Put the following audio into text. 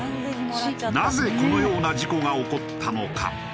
なぜこのような事故が起こったのか？